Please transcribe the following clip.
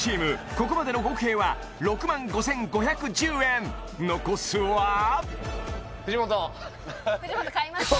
ここまでの合計は６５５１０円残すは藤本買いますか？